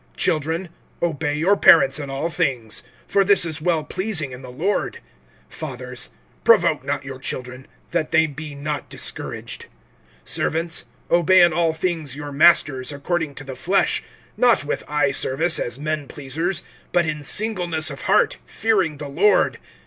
(20)Children, obey your parents in all things; for this is well pleasing, in the Lord. (21)Fathers, provoke not your children, that they be not discouraged. (22)Servants, obey in all things your masters according to the flesh; not with eye service, as men pleasers, but in singleness of heart, fearing the Lord.